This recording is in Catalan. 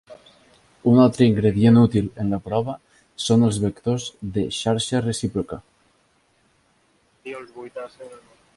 Un altre ingredient útil en la prova són els "vectors de xarxa recíproca".